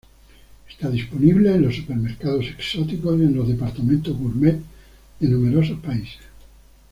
Está disponible en los supermercados exóticos y en los departamentos gourmet de numerosos países.